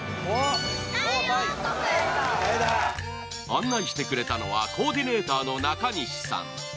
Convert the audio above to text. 案内してくれたのはコーディネーターの中西さん。